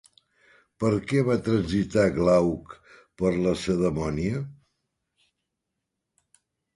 Per què va transitar Glauc per Lacedemònia?